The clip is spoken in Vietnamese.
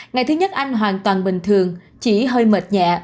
ngày thứ nhất anh hoàn toàn bình thường chỉ hơi mệt nhẹ